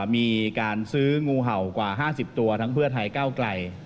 มีการซื้องูเห่ากว่า๕๐ตัวทั้งเพื่อไทยก้าวไกล